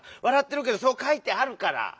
わらってるけどそうかいてあるから！